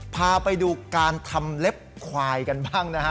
พาไปดูการทำเล็บควายกันบ้างนะฮะ